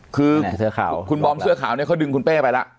คือคุณบอมเสื้อขาวเนี่ยเขาดึงคุณเป้ไปแล้ว